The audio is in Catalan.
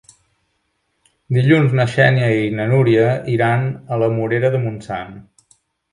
Dilluns na Xènia i na Núria iran a la Morera de Montsant.